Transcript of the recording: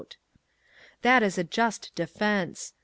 That is a just defence.